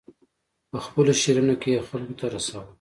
په خپلو شعرونو کې یې خلکو ته رساوه.